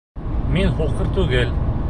Мин һуҡыр түгел!